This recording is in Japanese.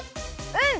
うん！